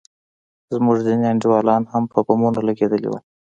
زموږ ځينې انډيوالان هم په بمونو لگېدلي وو.